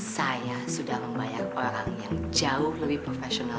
saya sudah membayar orang yang jauh lebih profesional